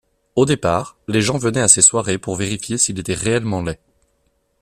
Au départ, les gens venaient à ses soirées pour vérifier s'il était réellement laid.